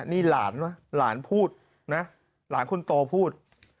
นี่หลานมั้ยหลานคุณโตพูด